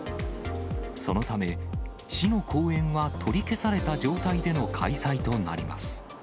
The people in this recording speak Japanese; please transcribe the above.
そのため、市の後援は取り消された状態での開催となります。